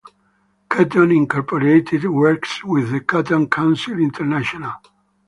Cotton Incorporated works with the Cotton Council International.